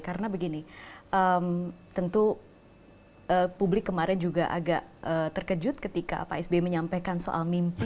karena begini tentu publik kemarin juga agak terkejut ketika pak isbi menyampaikan soal mimpi